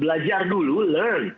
belajar dulu learn